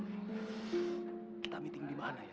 kita meeting dimana ya